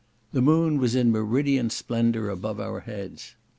The moon was in meridian splendour above our heads.